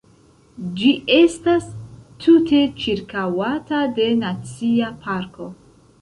Ĝi estas tute ĉirkaŭata de nacia parko.